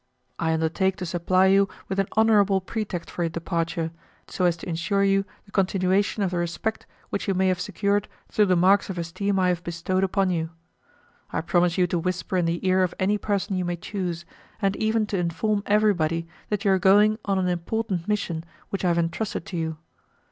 I undertake to supply you with an honourable pretext for your departure, so as to insure you the continuation of the respect which you may have secured through the marks of esteem I have bestowed upon you. I promise you to whisper in the ear of any person you may choose, and even to inform everybody, that you are going on an important mission which I have entrusted to you.